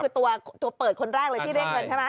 ตัวตัวเปิดคนแรกเลย